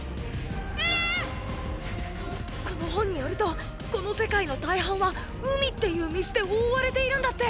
この本によるとこの世界の大半は「海」っていう水で覆われているんだって！